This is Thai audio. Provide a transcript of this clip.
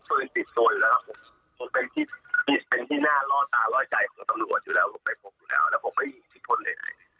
ผมเป็นที่หน้ารอตารอยใจของตำรวจอยู่แล้วผมไปพกอยู่แล้วแล้วผมไม่ที่ทนได้